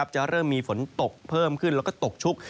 จะเริ่มมีฝนตกเพิ่มขึ้นแล้วก็ตกชุก